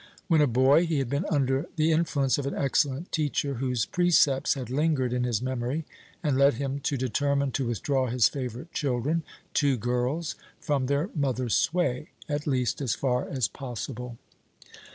When a boy, he had been under the influence of an excellent teacher, whose precepts had lingered in his memory and led him to determine to withdraw his favourite children two girls from their mother's sway, at least as far as possible.